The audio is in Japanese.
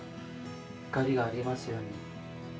光がありますように！